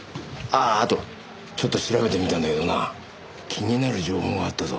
あとちょっと調べてみたんだけどな気になる情報があったぞ。